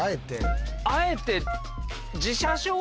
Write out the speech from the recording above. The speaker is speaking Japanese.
あえて。